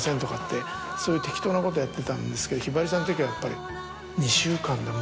そういう適当なことをやってたんですけどひばりさんのときはやっぱり。